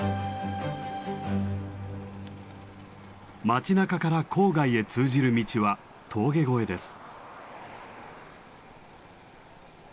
街なかから郊外へ通じる道は峠越えです。